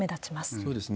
そうですね。